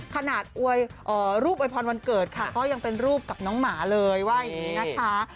ขนาดรูปอวยพรวันเกิดค่ะก็ยังเป็นรูปกับน้องหมาเลยว่าอย่างนี้นะคะ